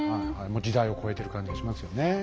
もう時代を超えてる感じがしますよねえ。